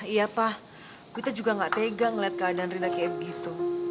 iya pak kita juga gak tega ngeliat keadaan rina kayak gitu